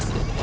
ya itu tad